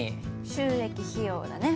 収益費用だね。